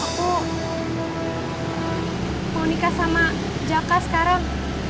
aku mau nikah sama jaka sekarang